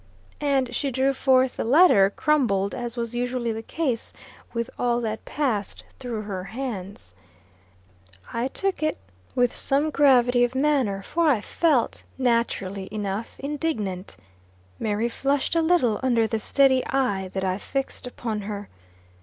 And she drew forth the letter, crumbled, as was usually the case with all that passed through her hands. I took it, with some gravity of manner; for I felt, naturally enough, indignant. Mary flushed a little under the steady eye that I fixed upon her.